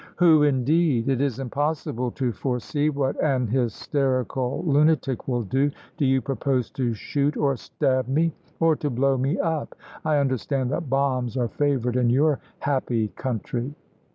"Who indeed? It is impossible to foresee what an hysterical lunatic will do. Do you propose to shoot or stab me, or to blow me up? I understand that bombs are favoured in your happy country."